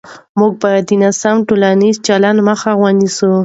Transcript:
موږ باید د ناسم ټولنیز چلند مخه ونیسو.